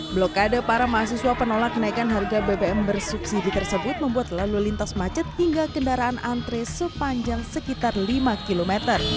blokade para mahasiswa penolak kenaikan harga bbm bersubsidi tersebut membuat lalu lintas macet hingga kendaraan antre sepanjang sekitar lima km